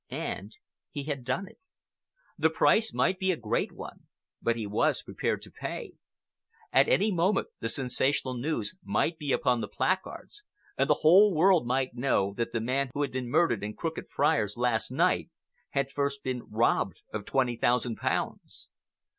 And he had done it. The price might be a great one, but he was prepared to pay. At any moment the sensational news might be upon the placards, and the whole world might know that the man who had been murdered in Crooked Friars last night had first been robbed of twenty thousand pounds.